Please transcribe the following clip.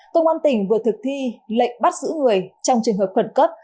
công an tỉnh vừa thực thi lệnh bắt giữ người trong trường hợp khẩn cấp